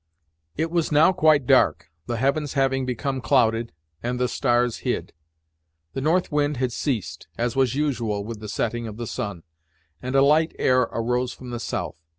It was now quite dark, the heavens having become clouded, and the stars hid. The north wind had ceased as was usual with the setting of the sun, and a light air arose from the south.